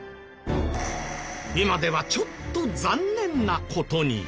今ではちょっと残念な事に。